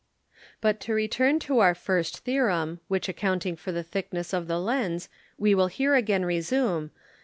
359_] But to return to our first Theorem, which accounting for the thickness of the Lens, we will here again resume, _viz.